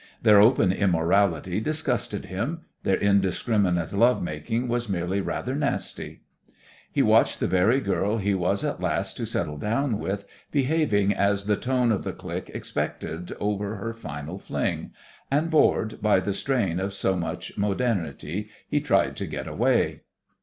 Their open immorality disgusted him, their indiscriminate love making was merely rather nasty; he watched the very girl he was at last to settle down with behaving as the tone of the clique expected over her final fling and, bored by the strain of so much "modernity," he tried to get away.